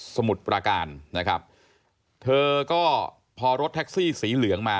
มุดประการนะครับเธอก็พอรถแท็กซี่สีเหลืองมา